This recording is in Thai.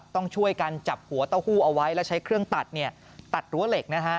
ต้องช่วยกันจับหัวเต้าหู้เอาไว้แล้วใช้เครื่องตัดตัดรั้วเหล็กนะฮะ